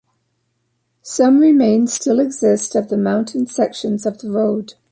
Some remains still exist of the mountain sections of the road.